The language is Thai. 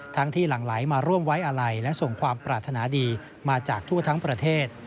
ที่หลั่งไหลมาร่วมไว้อาลัยและส่งความปรารถนาดีมาจากทั่วทั้งประเทศ